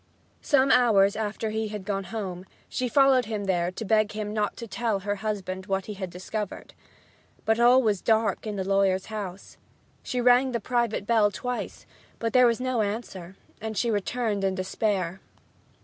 Some hours after he had gone home, she followed him there to beg him not to tell her husband what he had discovered. But all was dark in the lawyer's house. She rang the private bell twice, but there was no answer, and she returned in despair.